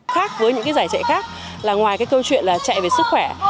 khác với những giải chạy khác ngoài câu chuyện chạy về sức khỏe